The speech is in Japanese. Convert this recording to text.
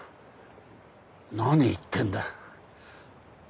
なに言ってんだ。